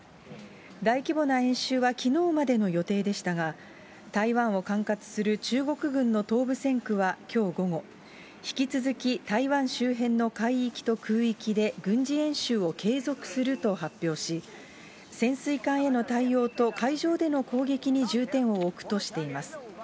大規模な演習はきのうまでの予定でしたが、台湾を管轄する中国軍の東部戦区はきょう午後、引き続き台湾周辺の海域と空域で軍事演習を継続すると発表し、潜水艦への対応と海上での攻撃に重点を置くとしています。